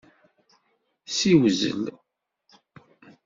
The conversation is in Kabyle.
Ssiwzel.